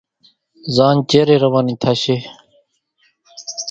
زاڃ چيرين روانِي ٿاشيَ۔